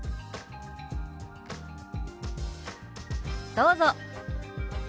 どうぞ。